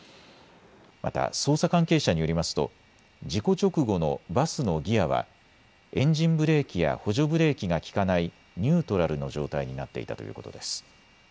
また捜査関係者によりますと事故直後のバスのギアはエンジンブレーキや補助ブレーキが利かないニュートラルの状態になっていたということです。